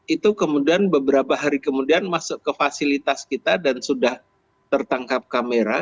itu kemudian beberapa hari kemudian masuk ke fasilitas kita dan sudah tertangkap kamera